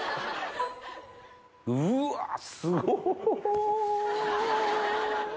うわすごっ。